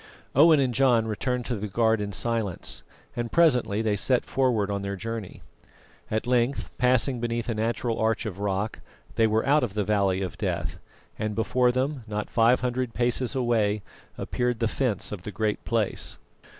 Owen and John returned to the guard in silence, and presently they set forward on their journey. At length, passing beneath a natural arch of rock, they were out of the Valley of Death, and before them, not five hundred paces away, appeared the fence of the Great Place.